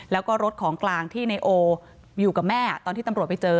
แล้วก็รถของกลางที่ในโออยู่กับแม่ตอนที่ตำรวจไปเจอ